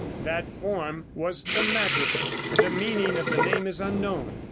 That form was the madrigal. The meaning of the name is unknown.